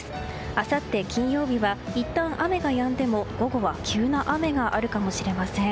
あさって金曜日はいったん雨がやんでも午後は急な雨があるかもしれません。